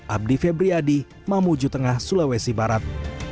abdi febriadi mamuju tengah sulawesi barat